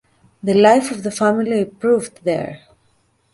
The life of the family improved there.